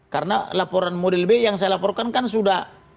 karena laporan model b yang saya laporkan kan sudah